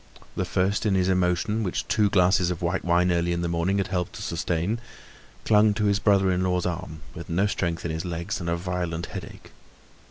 The first, in his emotion which two glasses of white wine early in the morning had helped to sustain, clung to his brother in law's arm, with no strength in his legs, and a violent headache.